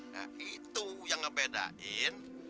nah itu yang ngebedain